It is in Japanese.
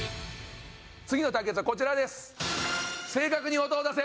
次の対決はこちらです。